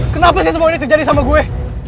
kenapa sih semua ini terjadi sama gue